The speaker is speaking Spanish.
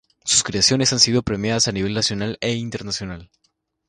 Sus creaciones han sido premiadas a nivel nacional e internacional.